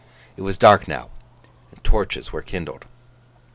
It was dark now, and torches were kindled.